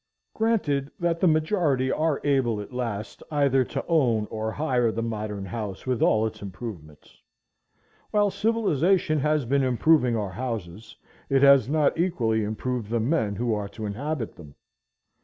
Granted that the majority are able at last either to own or hire the modern house with all its improvements. While civilization has been improving our houses, it has not equally improved the men who are to inhabit them.